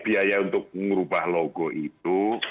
biaya untuk merubah logo itu